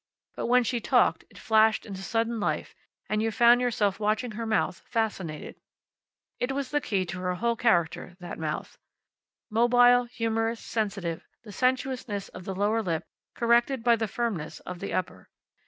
But when she talked, it flashed into sudden life, and you found yourself watching her mouth, fascinated. It was the key to her whole character, that mouth. Mobile, humorous, sensitive, the sensuousness of the lower lip corrected by the firmness of the upper.